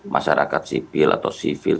masyarakat sipil atau sivil